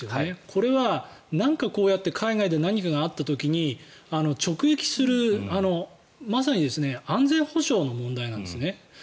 これはなんかこうやって海外で何かがあった時に直撃するまさに安全保障の問題なんですね。